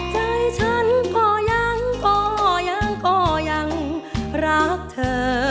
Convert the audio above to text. ใจฉันก็ยังก็ยังรักเธอ